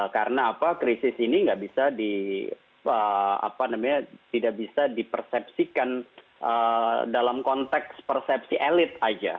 karena apa krisis ini gak bisa di apa namanya tidak bisa di persepsikan dalam konteks persepsi elite aja